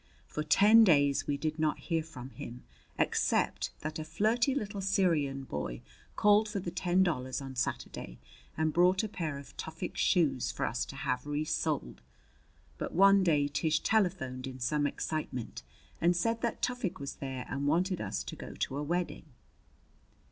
For ten days we did not hear from him, except that a flirty little Syrian boy called for the ten dollars on Saturday and brought a pair of Tufik's shoes for us to have resoled. But one day Tish telephoned in some excitement and said that Tufik was there and wanted us to go to a wedding.